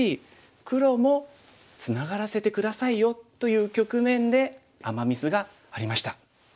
黒も「ツナがらせて下さいよ」という局面でアマ・ミスがありました。